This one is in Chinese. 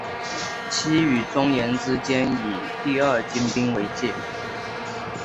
西与中延之间以第二京滨为界。